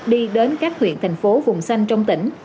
đi đến các huyện thành phố vùng xanh trong tỉnh